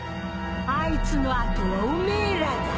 あいつの後はおめえらだ！